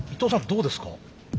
どうですか？